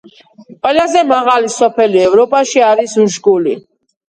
ყველაზე მაღალი სოფელი ევროპაში არის უშგული.